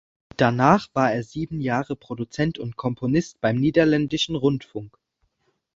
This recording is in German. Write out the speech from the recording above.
Danach war er sieben Jahre Produzent und Komponist beim niederländischen Rundfunk.